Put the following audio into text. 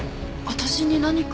私に何か？